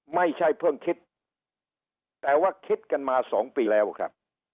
ไม่ใช่เพิ่งคิดแต่ว่าคิดกันมาสองปีแล้วครับ